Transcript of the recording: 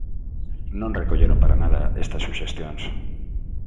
Non recolleron para nada estas suxestións.